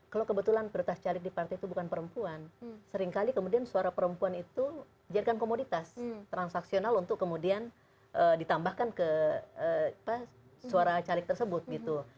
kalau kebetulan prioritas caleg di partai itu bukan perempuan seringkali kemudian suara perempuan itu dijadikan komoditas transaksional untuk kemudian ditambahkan ke suara caleg tersebut gitu